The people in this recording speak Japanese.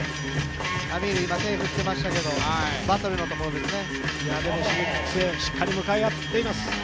Ａｍｉｒ、今、手を振ってましたけど、バトルのところですね。